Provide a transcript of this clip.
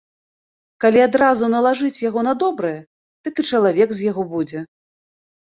Калі адразу налажыць яго на добрае, дык і чалавек з яго будзе.